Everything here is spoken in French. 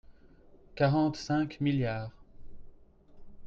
quarante-cinq milliards